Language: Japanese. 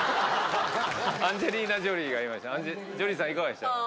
アンジェリーナ・ジョリーがいましたね。